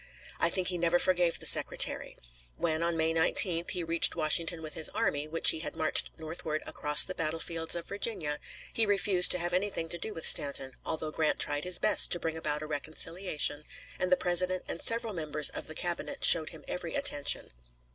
I think he never forgave the Secretary. When, on May 19th, he reached Washington with his army, which he had marched northward across the battlefields of Virginia, he refused to have anything to do with Stanton, although Grant tried his best to bring about a reconciliation and the President and several members of the Cabinet showed him every attention.